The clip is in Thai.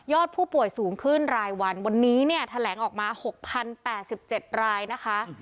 ยอดผู้ป่วยสูงขึ้นรายวันวันนี้เนี่ยแถลงออกมาหกพันแปดสิบเจ็ดรายนะคะ